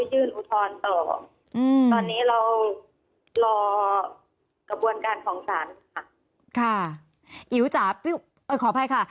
ยื่นอุทธรณ์ต่ออืมตอนนี้เรารอกระบวนการของศาลค่ะค่ะอิ๋วจ๋าขออภัยค่ะ